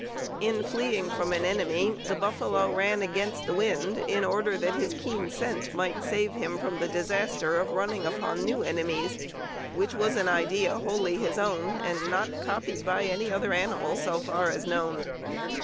In fleeing from an enemy the buffalo ran against the wind, in order that his keen scent might save him from the disaster of running upon new enemies; which was an idea wholly his own, and not copied by any other animal so far as known.